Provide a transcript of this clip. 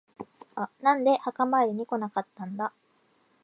なんで墓参りに来なかったんだ。